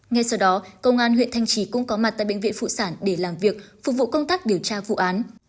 ngay sau đó công an huyện thanh trì cũng có mặt tại bệnh viện phụ sản để làm việc phục vụ công tác điều tra vụ án